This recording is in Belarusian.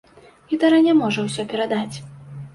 Гітара не можа ўсё перадаць.